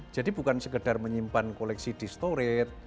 jadi bukan sekedar menyimpan koleksi di storit